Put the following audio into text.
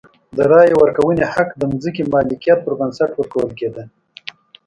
د رایې ورکونې حق د ځمکې مالکیت پر بنسټ ورکول کېده.